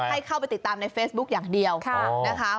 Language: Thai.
ให้เข้าไปติดตามในเฟซบุ๊คอย่างเดียวนะคะ